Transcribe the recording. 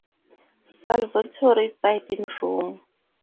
Salvatori died in Rome.